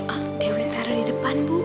ah dewi taruh di depan bu